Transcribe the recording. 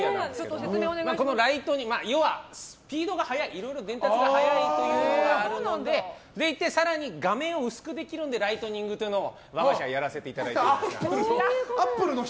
要はスピードが速い伝達が速いというのがあるので続いて画面を薄くできるのでライトニングというのを我が社がやらせていただいています。